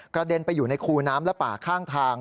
เด็นไปอยู่ในคูน้ำและป่าข้างทาง